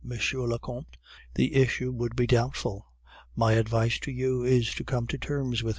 le Comte, the issue would be doubtful. My advice to you is to come to terms with M.